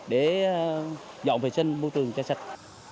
để dọn vệ sinh mua trường chai sạch